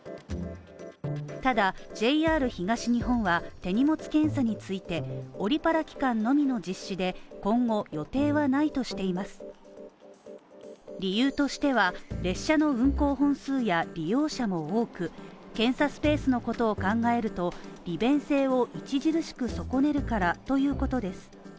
ただ、ＪＲ東日本は手荷物検査について、オリパラ期間のみの実施で、今後予定はないとしています理由としては、列車の運行本数や利用者も多く、検査スペースのことを考えると、利便性を著しく損ねるからということです。